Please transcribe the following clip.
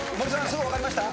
すぐ分かりました？